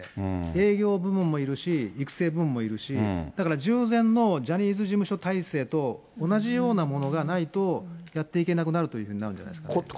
営業部門もいるし、育成部門もいるし、だから十全のジャニーズ事務所体制と同じようなものがないと、やっていけなくなるということになるんじゃないですか。